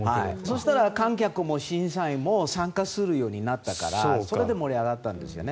そうしたら観客も審査員も参加するようになったからそれで盛り上がったんですね。